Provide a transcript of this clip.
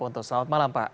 selamat malam pak